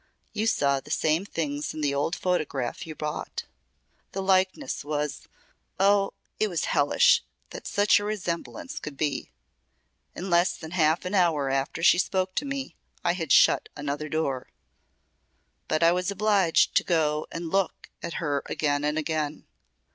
You saw the same things in the old photograph you bought. The likeness was Oh! it was hellish that such a resemblance could be! In less than half an hour after she spoke to me I had shut another door. But I was obliged to go and look at her again and again.